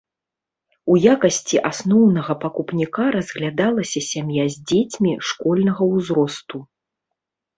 У якасці асноўнага пакупніка разглядалася сям'я з дзецьмі школьнага ўзросту.